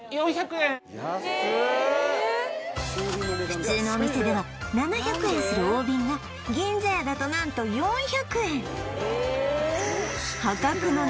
普通のお店では７００円する大瓶が銀座屋だと何と４００円